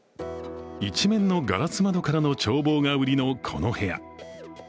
一面のガラス窓からの眺望が売りの、この部屋。